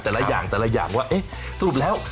แต่ละอย่างว่าสรุปแล้ว